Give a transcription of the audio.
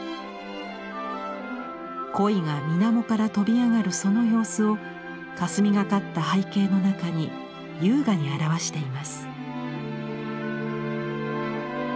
鯉が水面から飛び上がるその様子をかすみがかった背景の中に優雅に表しています。